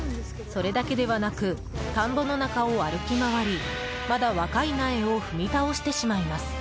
それだけではなく田んぼの中を歩き回りまだ若い苗を踏み倒してしまいます。